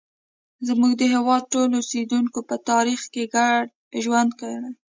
زموږ د هېواد ټولو اوسیدونکو په تاریخ کې ګډ ژوند کړی.